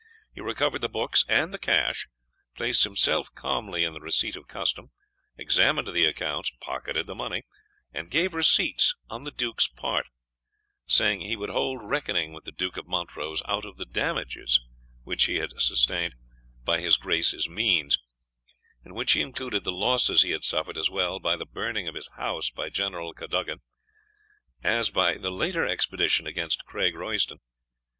He recovered the books and cash, placed himself calmly in the receipt of custom, examined the accounts, pocketed the money, and gave receipts on the Duke's part, saying he would hold reckoning with the Duke of Montrose out of the damages which he had sustained by his Grace's means, in which he included the losses he had suffered, as well by the burning of his house by General Cadogan, as by the later expedition against Craig Royston.